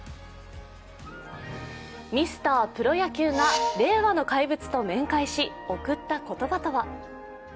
ミスタープロ野球が令和の怪物と面会し贈った言葉とは。